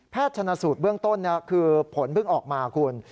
ชนะสูตรเบื้องต้นคือผลเพิ่งออกมาคุณ